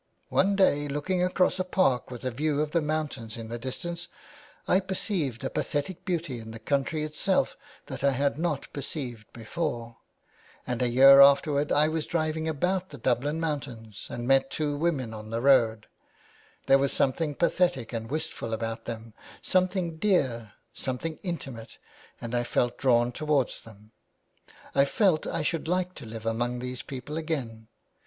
One day looking across a park with a view of the mountains in the distance, I perceived a pathetic beauty in the country itself that I had not perceived before; and a year afterwards I was driving about the Dublin mountains, and met two women on the road ; there was something pathetic and wistful about them, something dear, something intimate, and I felt drawn towards them. I felt I should like to live among these people again.